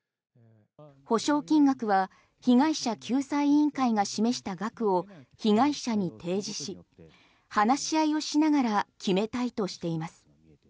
補償金額は被害者救済委員会が示した額を被害者に提示し話し合いをしながら決めたいとしています。